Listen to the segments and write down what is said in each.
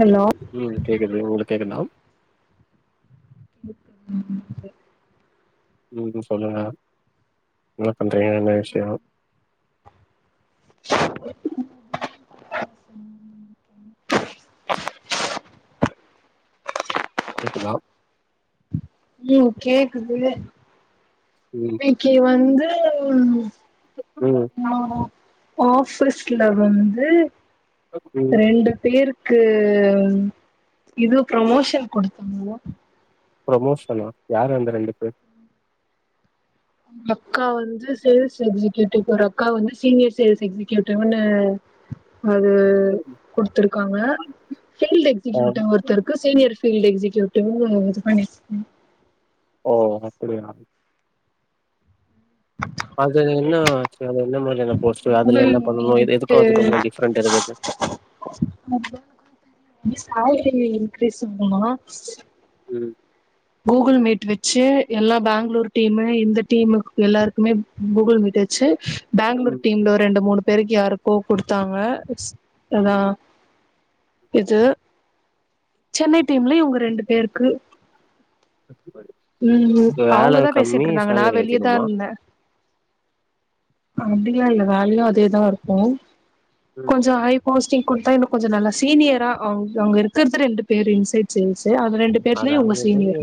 Hello உம் கேக்குது உங்ளுக் கேக்குதா [inaudible] ம் ம் சொல்லுங்க என்ன பண்றீங்க என்ன விஷ்யொ கேக்குதா ம் கேக்குது இன்னக்கி வந்து [unintelligible] உம் ம் ஆஃபீஸ்ல வந்து ம் ரெண்டு பேருக் க்கு இது ப்ரமோஷன் கொடுத்தாங்க ப்ரமோஷனா யாரு அந்த ரெண்டு பேர் அக்கா வந்து சேல்ஸ் எக்ஸிக்சியூட்டிவ் ஒரு அக்கா வந்து சீனியர் சேல்ஸ் எக்ஸிக்சியூட்டிவ்ன்னு அது குடுத்துருக்காங்க ஃபீல்டு ஆ எக்ஸிக்யூட்டிவ் ஒருத்தருக்கு சீனியர் ஃபீல்ட் எக்ஸிக்யூட்டிவ் இது பண்ணி ஓ அப்புடியா அது என்னா அது என்ன மாரியான ஓகே அதுல கூகுள் என்ன பண்ணணும் எ மீட்டு இதுக்கும் அதுக்கும் ஆன டிஃப்ரெண்ட் இருக்குது [unintelligible] மிஸ்சேலரி இன்கிரீஸ்சும் பண்ணனும் ம் கூகுள் மீட் வச்சு எல்லா பேங்களூர் டீமு இந்த டீமு எல்லாருக்குமே கூகுள் மீட் வச்சு பேங்களூர் ம் டீம்ல ரெண்டு மூணு பெருக்கி யாருக்கோ கொடுத்தாங்க அதான் ம் இது சென்னை டீம்ல இவுங்க ரெண்டு பேருக்கு உம் உம் இதுக்கு வேல அவுங்கதான் கம்மி பேசிட்டு இருந்தாங்க நான் சேலரி அதிகமா வெளியதான் இருந்த ம் அப்டிலா இல்ல வேலலா அதேதான் இருக்கும் ம். கொஞ்சம் ஹை போஸ்டிங் கொடுத்தா இன்னும் கொஞ்சம் நல்லா சீனியரா அவங்க அவங்க இருக்கறத ரெண்டு பேர் இன்சைட் சென்ஸ் அது ரெண்டு பேர்லய இவங்க அதாவது சீனியர்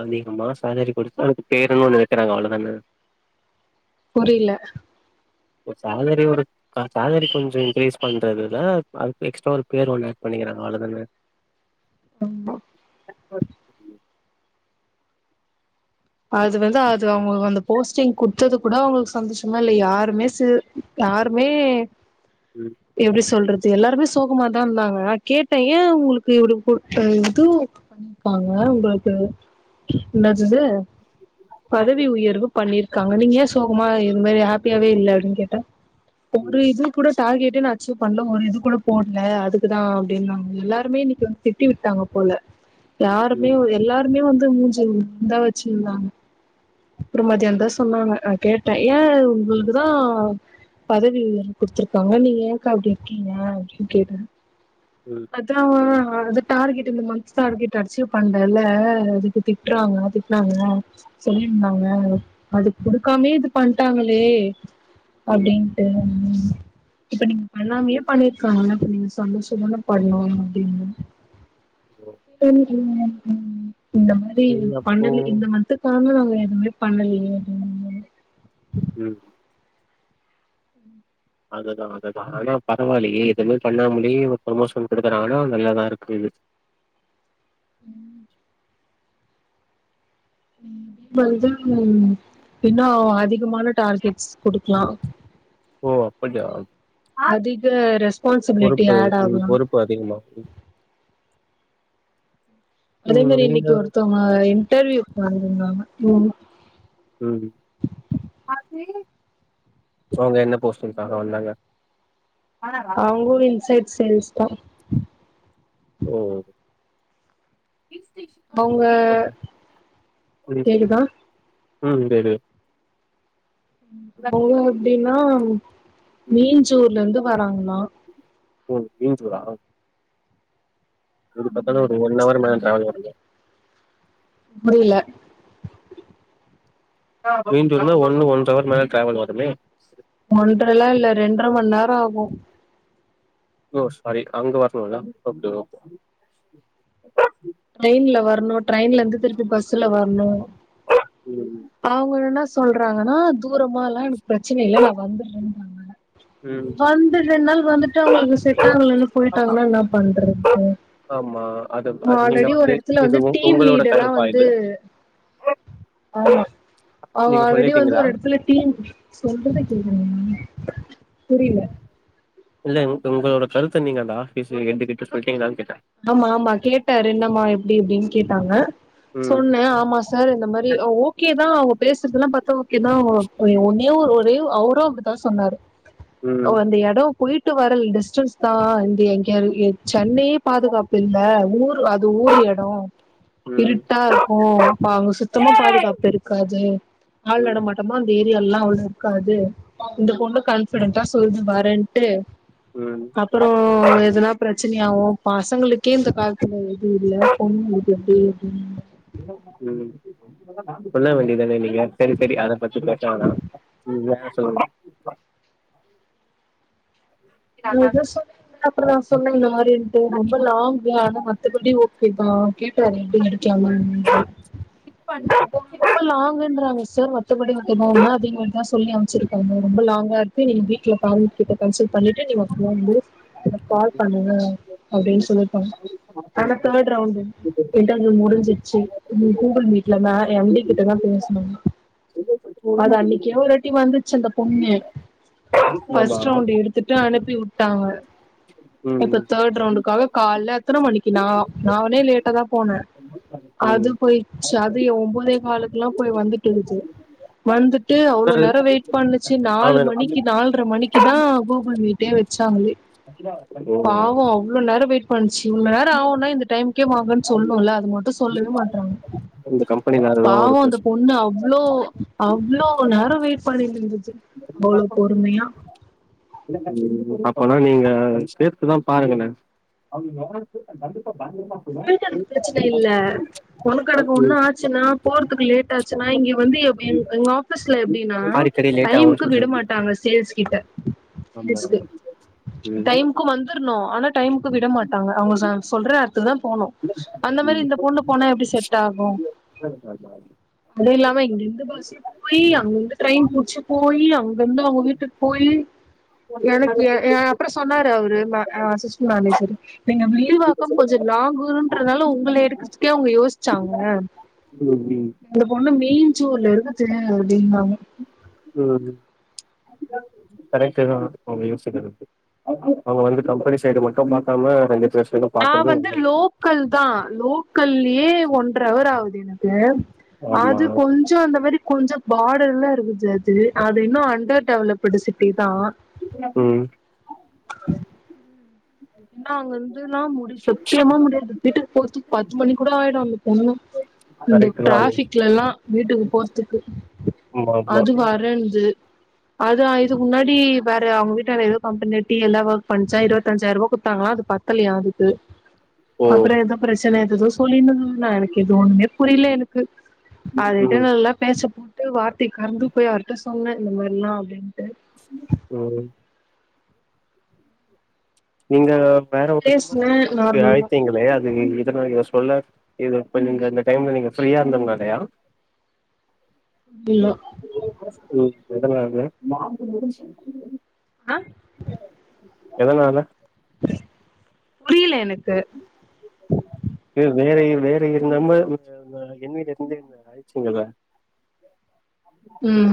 அதிகமா சேலரி கொடுத்து அது பெருணுன் ஒன்னு வக்கிறாங்க அவ்வளவு தானே புரில சேலரி ஒரு சேலரி கொஞ்சம் இன்க்ரீஸ் பண்றதுலா அது எக்ஸ்ட்ரா ஒரு பேர் ஒண்ணு ஆட் பண்ணிக்கறாங்க அவ்வளவுதான ஆம்மா அது வந்து அது அவங்களுக்கு அந்த போஸ்ட்டிங் குடுத்தது கூட அவங்களுக்கு சந்தோஷமா இல்ல யாருமே யாருமே எப்டி சொல்றது எல்லாருமே சோகமாதான் இருந்தாங்க நா கேட்டேன் ஏன் உங்களுக்கு இப்டி கொடுத்த இதுகு பண்ணியிருபாங்க உங்களுக்கு என்னது இது பதவி உயர்வு பண்ணிரு இருக்காங்க நீங்க ஏன் சோகமா இது மாரி ஹாப்பியாவே இல்ல அப்டின்னு கேட்டா ஒரு இது கூட டார்கேட்ட நான் அச்சீவ் பண்ணல ஒரு இது கூட போடல அதுக்குதான் அப்டின்னாங்க எல்லாருமே இன்னைக்கு வந்து திட்டி விட்டாங்க போல யாருமே ஒரு எல்லாருமே வந்து தாவச்சில் தாவச்சி இல்லாங் அப்புறம் மதியம் தான் சொன்னாங்க கேட்டேன் ஏன் உங்களுக்குதான் பதவி குடுத்தருக்காங்க நீ ஏக்கா அப்டி இருக்கீங்க அப்டின்னு கேட்டன் அதாஹா அது டார்கெட் இந்த மன்ஸ் டாரெட் அச்சீவ் பண்லலா அது திட்டுறாங்க அது காங்க சொல்லிருந்தாங்க அது கொடுக்காமே இது பண்ட்டாங்களே அப்படின்ட்டு உம் இப்ப நீங் பண்ணாமயே பண்ணியிருக்காங்க நீங்க சந்தோசமா பட்ணும் அப்படின்னா பெண் உம் உம் இந்த மாதிரி சரி அப்போ பண்ணதிலே இந்த மந் காண சோ எதுமே பண்ணலே அப்பட ம் அதுதான் அதுதான் ஆனா பரவாயில்லையே எதுவுமே பண்ணாமடியும் ஒரு ப்ரமோஷன் கொடுக்குறாங்க ஆனா நல்லதான் இருக்கு இது உம் உ இப்ப அதுதாங்க [unintelligible] பின்னோ ம். அதிகமான டார்கெட் குடுக்கலாம் ஓ அப்படியா அதிக ரெஸ்பான்சிபிலிட்டி பொறுப்பு ஆட் உம் ஆகலா பொறுப்பு அதிகமா அதே ம் மாரி நீங்க இன்னைக்கு ஒருத்தவங்க இன்டர்வியூ வந் தாங்க உ உம் அவங்க என்ன போஸ்டக்காக வந்தாங்க அவங்கும் இன்சைட் சேல்ஸ் தான் ஓ அவங்க அப்ப கேக்குதா உம் கேக்குது அவங்க அப்படின்னா உம் மீஞ்சூர்ல இருந்து வராாங்களா ம் நீ சொறா இது பாத்தானா ஒரு ஒன் அவஹவர் மேல டிராவல் பண்ண புரியல மீண்டும் இருந்தா ஒண்ணு ஒன்வர் மேல டிராவல் வருமே ஒன்றரைல்லாம் இல்ல ரெண்டரை மணி நேரம் ஆகும் ஓ சாரி அங்க வரணும்லே [unintelligible] ட்ரெயின்ல இருந்து திருப்பி பஸ்ல வரணு ம், அவங்க என்னன்னா. சொல்றாங்கன்னா தூரமால்லா எனக்கு பிரச்சன இல்ல நா வந்துடுறன்றாங்க. ம். வந்து ரெண்டு நாள் வந்துட்டு அவங்களுக்கு செட்டாங்கலன்னு போயிட்டாங்கன்னா என்ன பண்றது. ஆமா. அது அது நீங்க ஆல்ரெடி ஒரு இடத்துல இது வந்து உ டீம் உங்களோட லீடரா கருப்பா வந்து இது? ஆமா. அவங்க நீங்க ஆல்ரெடி வந்து சொல்லிட்டீங்களா? ஒரு இடத்துல டீம். சொல்றத கேக்கிறீங்களா. [inaudible] புரில. இல்ல உங்களோட கருத்த நீங்க அந்த ஆபீஸ்ல எட்டுக்கிட்ட சொல்லிட்டீங்கனாவே. ஆமா ஆமா கேட்டாரு என்னம்மா எப்படி அப்படின்னு. கேட்டாங்க. ம், சொன்ன ஆமா சார் இந்த மாரி ஓகேதா அவங்க பேசுறதெல்லா பாத்தா ஓகேதா ஒன்னே ஒரு. து அவுரும் அப்படிதா சொன்னாரு. ம், வந்த எடோ குளிர். ட்டு வர டிஸ்டன்ஸ்தா இந்த எங்க சென்னையே. பாதுகாப்பு இல்ல. ஊர். அது ஊர் எடோ ம், இருட்டா இருக்கு அங்க சுத்தமா பாதுகாப்பு இருக்காது ஆள் நட ம், மாட்டமு அந்த ஏ. எல்லா அவ்ளோ இருக்காது. இந்த ம், பொண்ணு கன்பிடன். கரெக்ட்டா சொல்லுது வரன்ட்டு. ம், அப்புறோ எதுனா பிரச். சனையாவு. பசங்களுக்கே இந்த காலத்துல. [unintelligible] பொண்ணு கிட்ட எப்படி. [unintelligible] ம். சொல்ல வேண்டிதான நீ. சேரி சேரி அத பத்தி பேச வேண்னா எங்காயாச். [unintelligible] இதுல எதோ சொன்னிங்கலா அப்புறோ நா சொன்னங் இந்த மாதிரென்ட்டு ரொம்ப லாங்கு ஆனா மத்தபடி ஓகேதா கேட்டாரு எப்படி எடுக்கலாமா என்னன்ட்டு. ரொம்ப லாங்குன்றாங்க சார் மத்தபடி நோன அதே மாரிதா சொல்லி அமைச்சிருக்காங்க ரொம்ப லாங்கா. நீங்க வீட்டுல ஃபேமிலி கிட்ட கன்சல்ட் பண்ணிட். டின்னு நீ வொர்க் போ. எனக்கு கால் பண்ணுங்க அப்படின்னு சொல்லிருப்பாங்க. ஆனா தோர்டு ரவுண்டு இன்டர்வியூ முடிஞ்சிருச்சு. இனி கூகுள் மீட்லதா எம் டி கிட்டதா பேசனுமே. அது அன்னிக்கே ஒரு வாட்டி வந்துச்சு அந்தப். பொண்ணு ஆமா. ஃபஸ்ட் ரவுண்ட் எடு. த்துட்டு அனுப்பிவுட்டாங்க. இப்ப ம். தோர்ட் ரவுண்டுக்காக கால்ல எத்தன மணிக்குனா நானே லேட்டாதா போன. அது ம். போயிருச்சு அது ஒன்பதே காலுக்கெல்லா போய் வந்துட்டு இருந்துச்சு. வந்துட்டு அவ்வளவு அது நேரோ வெயிட் பண்ணுச்சு ஆ நாலு வேணும். மணிக்கு நால்ர மணிக்குதா கூ. [unintelligible] வீட்டே வி சாலி ஓ! பாவொ அவ்ளோ நேர வெயிட் பண்ச்சு இவ்ள நேரொ ஆவுன்னா இந்த டைம்கே வ வாங்கன் சொல்னுல்ல அது மட்டு சொல்லவே மாட்றாங்க இந்த கம்பெனில அதுதான் ஒரு பாவொ அந்த பிரச்சன. பொண்ணு அவ்ளோ அவ்ளோ நேரொ வெயிட் பண்ணிட்ருந்துச்சு அவ்ளொ பொறுமையா அப்பனா நீங்க சேத்துதா பாருங்களே [unintelligible] பிரச்சன இல்ல ஒன்னு கெடக்க ஒண்ணு ஆச்சுன்னா போறதுக்கு லேட் ஆச்சுன்னா இங்க வந்து எப்டி எங்க ஆஃபீஸ்ல எப்டினா ஆறு கடி லேட் ஆகுன்னு டைமுக்கு விட சொல்றீங்க மாட்டாங்க சேல்ஸ் கிட்ட [unintelligible] ஆமா ம் டைம்கு வந்துர்ணு டைம்க்கு விட மாட்டாங்க அவுங்க சொல்ற துதா போனு அந்த மாரி ம் ம் இந்த பொண்ணு போனா எப்டி செட் ஆகு அது இல்லாம இங்கிருந்து பஸ்ல போய் அங்கிருந்து ட்ரெயின் புச்சு போயி அங்கிருந்து அவுங்க வீட்டுக்கு போயி எனக்கு ஏ அப்றொ சொன்னாரு அவரு அசிஸ்டன்மேனேஜரு நீங்க மீழ்வாக்கம் கொஞ்ச லாங்குன்றனால உங்கள எடுக்கற்துக்கே அவுங்க யோசிச்சாங்க ம் அந்த பொண்ணு மேயன்ச்சூர்ல இருந்துட்டு [unintelligible] உம் கரெக்ட்டு தா அவுங்க யோசிக்கிறது அவுங்க வந்து கம்பெனி சைடு மட்டும் பாக்காம ரெண்டு பேர் சைடு நா பாக்குறது வந்து நல்ல விஷயம் லோக்கல் தா லோக்கல் ஏ ஒன்றவர் ஆவு து எனக்கு ஆமா அது கொஞ்சொ அந்த மாரி கொஞ்ச பார்டர்லா இருக்குது அது அது இன்னு அண்டர் டெவலப்டு சிட்டி தா ம் என்னா அங்க இந்துன்னா முடி சத்தியமா முடியாது வீட்டுக் போறதுக்கு பத்து மணி கூட ஆயிடு அந்த பொண்ணு இந்த கரெக்ட்டு தா நீங்க சொல்றது ட்ராஃபிக்லல்லா வீட்டுக்கு போறதுக்கு ஆமா ஆமா அது வரேன்து அதா இதுக்கு முன்னாடி வேற அவுங்க வீட்டால எதோ கம்பெனில டி எல்லா ஒர்க் பண்ச்சா இருவத்தஞ்சாயருவா குத் தாங்கலா அது பத்தலையா அதுக்கு ஓ அப்பறொ எதோ பிரச்சன எதோ சொல்லினுந்ததுனா எனக்கு எது ஒண்ணுமே புரில எனக்கு அதுட்ட ம் நல்லா பேசப்போ ட்டு‌ வா டிகர்ங்கு போய் அவர்ட்ட சொன்ன இந்த மாரிலா அப்டின் சார் உம் நீங்க வேற ஒரு நம்பர்ல பேசுனே இருந்து எனக்கு நார்மலா அழைத்தீங்களே அது இதனா தோழர் இது இப்ப நீங்க அந்த டைம்ல நீங்க ஃப்ரீயா இருந்ததுனாளையா இல்ல உம் எதனால நான் தூங்கும்போது இருஞ்சு ஆஹ் எதனால புரியல எனக்கு வேற வேற இருந்தாம ஆஹ் இன்விடேஷன்ல என்ன அழச்சீங்களா உம்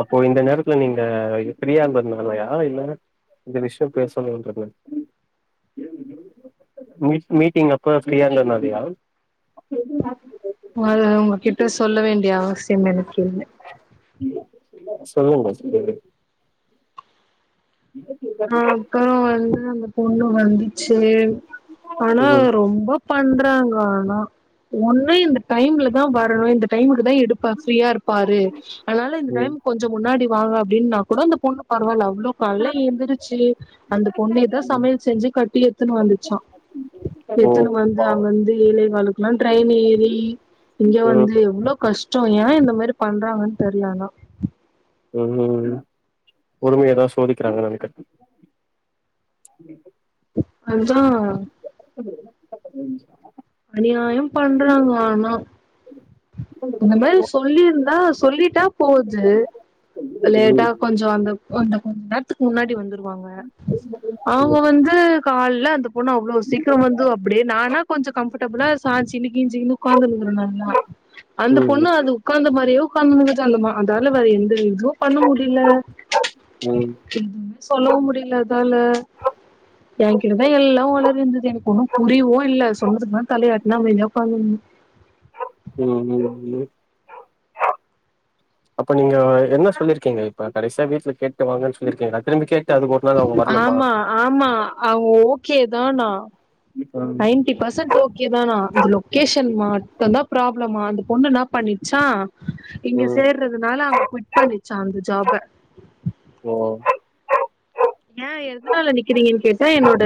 அப்போ இந்த நேரத்துல நீங்க ஃப்ரியா இருந்தனாலையா இல்ல இந்த விஷயம் பேசனும்றது மீட் மீட்டிங் அப்ப ஃப்ரியா இருந்தனாலையா ஏதும் யார்க்கும் தெரியாது முதல உங்ககிட்ட சொல்ல வேண்டிய அவசியம் எனக்கு இல்ல இங்க தான் இருக்கேன் சொல்லுங்க சொல்லு ஆஹ் அப்புறம் வந்து போலாம் வந்துச்சு ஆனா ம் ரொம்ப பண்றாங்க ஆனா ஒன்னு இந்த டைம்ல தான் வரணும் இந்த டைம் தான் எடுப்பா ஃப்ரியா இருப்பாரு அதனால இந்த டைம் ம் கொஞ்சம் முன்னாடி வாங்க அப்டின்னா கூட அந்த பொண்ணு பரவால்ல அவ்ளோ கால எந்திரிச் அந்த பொண்ணே தான் ம் சமையல் செஞ்சு கட்டி எத்துனு வந்துச்சான் ஓ எத்துன்னு வந்து அங்க பாவம் வந்து ஏலே காலுக்கெல்லாம் ட்ரெயின் ஏறி இங்க ம் வந்து எவ்வளவு கஷ்டம் ஏன் இந்த மாரி பண்றாங்கன்னு தெரில ஆனா உம்ம்ம் பொறுமைய தான் சோதிக்கிறாங்க நெனக்கிறேன் அதான் உம் அநியாயம் பண்றாங்க ஆனா இந்த மாதிரி சொல்லியிருந்தா சொல்லிட்டா போது லேட்டா ம் ம் கொஞ்சம் அந்த ஒன்ன கொண்டான் க்கு முன்னாடி வந்துருவாங்க அவுங்க வந்து கால்ல போனும் அவ்ளோ சீக்கிரம் வந்து அப்டியே நானா கொஞ்சம் கம்ஃபர்டபுளா சார்ஜ் நிக் கெஞ்சிகின்னு உக்காந்து இருக்கனும் நல்லா அந்த ம் பொண்ணு அது உக்காந்து வறயோ [unintelligible] அதால வேற எந்த எதுவும் பண்ண முடில ம் எதுவு சொல்லவும் முடில [unintelligible] என்கிட்டதான் எல்லா ஒளறி இருந்தது எனக்கு ஒன்னு புரியவு இல்ல சொன்னதுக்குலா தலையாட்டினா அமைதியா உக்காந்து உஹம் உம் உ அப்ப நீங்க என்ன சொல்லிருக்கீங்க இப்ப கடைசியா வீட்ல கேட்டு வாங்கன்னு சொல்லி இருக்கீங்கலா திரும்பி கே ஆமா ஆமா அவங்க ஓகே தானா ம் நைன்ட்டி பர்சண்ட் ஓகே தான இந்த லொகேஷன் மாட்டுதான் ப்ரா ளமா அந்த பொண்ணு நா பண்ணிச்சா இங்க ம். சேர்றதுனால அங்க குவிட் பண்ணிச்சான் அந்த ஜாப ஓ! ஏன் எதுனால நிக்கிறீங்கன்னு கேட்டா என்னோட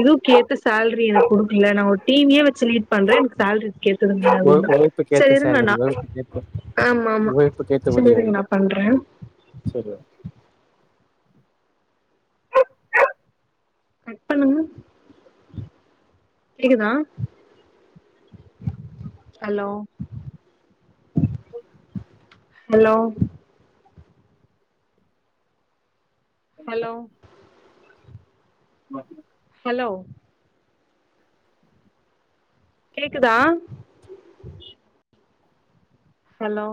இதுவு கேத்த சேல்ரி எனக்கு குடுக்கல நான் ஒரு டீம்மே வச்சு லீட் பண்றேன் எனக்கு சேலரி கேட்டதும் உ கிடையாதுங்கலா உழைப்புக்கேத்த சரி இருங்க சேலரி. நா உழைப்புக்கேத்த ஆம்மா ஆமா உழைப்புக்கேத்த ஊதியம் செரியிங்க இல்லையா? நான் பண்றேன் சரி. கட் பண்ணுங்க கெகுதா ஹலோ ஹலோ ஹலோ ஹலோ கேக்குதா ஹலோ